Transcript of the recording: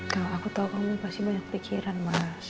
kau aku tau kamu pasti banyak pikiran mas